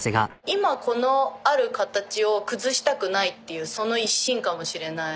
今このある形を崩したくないっていうその一心かもしれない。